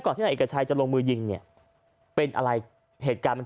ที่นายเอกชัยจะลงมือยิงเนี่ยเป็นอะไรเหตุการณ์มัน